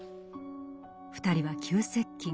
２人は急接近。